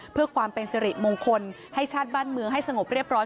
เพื่อความเป็นสิริมงคลให้ชาติบ้านเมืองให้สงบเรียบร้อย